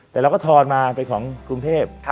แต่เราก็ทอนมาเป็นของกรุงเทพ